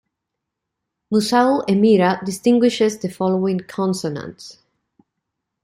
Mussau-Emira distinguishes the following consonants.